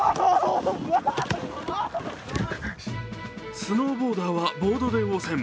スノーボーダーはボードで応戦。